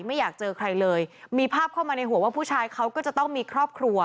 ไม่อยากเจอใครเลยมีภาพเข้ามาในหัวว่าผู้ชายเขาก็จะต้องมีครอบครัว